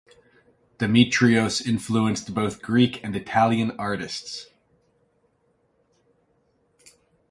Demetrios influenced both Greek and Italian artists.